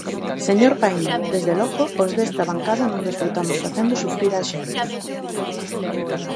Señor Paíño, desde logo, os desta bancada non desfrutamos facendo sufrir a xente.